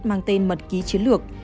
mang tên mật ký chiến lược